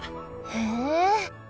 へえ。